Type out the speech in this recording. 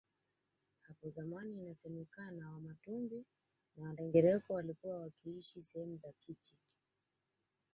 Hapo zamani inasemekana wamatumbi na wandengereko walikuwa wakiishi sehemu za Kichi